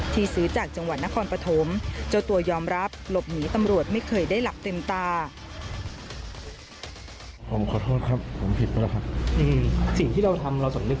ที่ซื้อจากจังหวัดนครปฐม